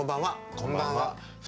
こんばんは。